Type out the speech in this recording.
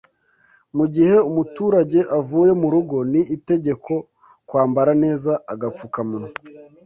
Mugihe umuturage avuye murugo ni itegeko kwambara neza agapfukamunwa